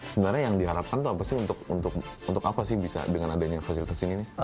sebenarnya yang diharapkan tuh apa sih untuk apa sih bisa dengan adanya fasilitas ini